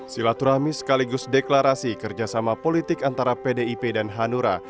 silaturahmi sekaligus deklarasi kerjasama politik antara pdip dan hanura